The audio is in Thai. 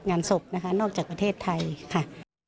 งานศพนะคะนอกจากประเทศไทยค่ะ